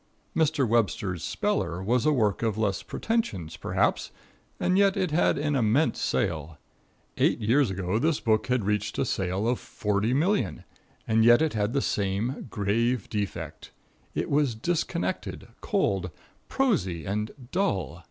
Mr. Webster's "Speller" was a work of less pretentions, perhaps, and yet it had an immense sale. Eight years ago this book had reached a sale of 40,000,000, and yet it had the same grave defect. It was disconnected, cold, prosy and dull.